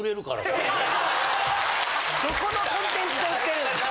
どこのコンテンツで売ってるんですか。